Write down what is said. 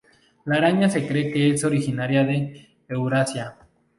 La araña se cree que es originaria de Eurasia.